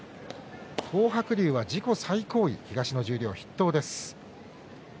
東白龍は自己最高位東の十両筆頭です。